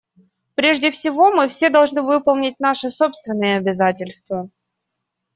Прежде всего, мы все должны выполнить наши собственные обязательства.